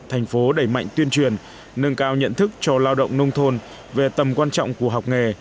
thành phố đẩy mạnh tuyên truyền nâng cao nhận thức cho lao động nông thôn về tầm quan trọng của học nghề